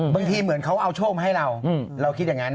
บางทีเหมือนเขาเอาโชคมาให้เราเราคิดอย่างนั้น